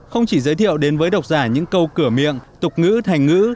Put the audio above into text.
không chỉ giới thiệu đến với độc giả những câu cửa miệng tục ngữ thành ngữ